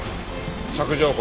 索条痕。